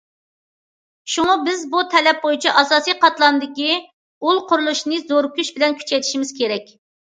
شۇڭا بىز بۇ تەلەپ بويىچە ئاساسىي قاتلامدىكى ئۇل قۇرۇلۇشىنى زور كۈچ بىلەن كۈچەيتىشىمىز كېرەك.